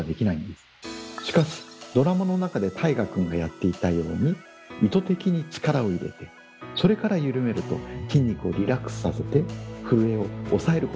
しかしドラマの中で大我君がやっていたように意図的に力を入れてそれから緩めると筋肉をリラックスさせて震えを抑えることができるんです。